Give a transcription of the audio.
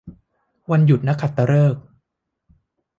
วันหยุดนักขัตฤกษ์